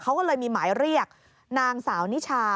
เขาก็เลยมีหมายเรียกนางสาวนิชา